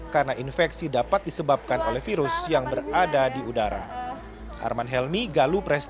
karena infeksi dapat disebabkan oleh virus yang berada di udara